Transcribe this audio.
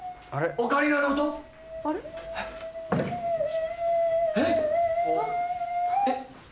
オカリナの音？えっ？